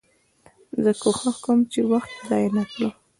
زه کوښښ کوم، چي وخت ضایع نه کړم.